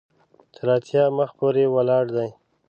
تر اتیا مخ پورې ولاړ دی.